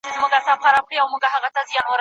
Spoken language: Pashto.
کور به وران وي د سرتوري پر اوربل به یې اوُر بل وي